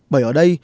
bởi ở đây